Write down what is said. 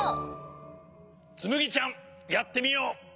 つむぎちゃんやってみよう！